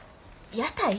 屋台？